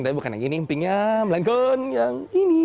tapi bukan yang ini empingnya melainkan yang ini